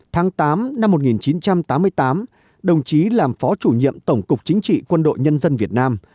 tháng tám năm một nghìn chín trăm tám mươi tám đồng chí làm phó chủ nhiệm tổng cục chính trị quân đội nhân dân việt nam